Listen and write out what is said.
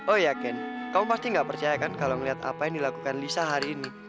oh iya ken kamu pasti gak percaya kan kalau ngelihat apa yang dilakukan lisa hari ini